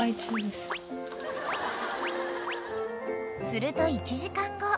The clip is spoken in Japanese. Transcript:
［すると１時間後］